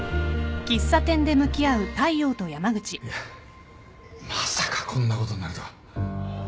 いやまさかこんなことになるとは。